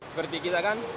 seperti kita kan